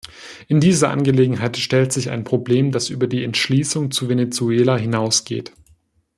In dieser Angelegenheit stellt sich ein Problem, das über die Entschließung zu Venezuela hinausgeht.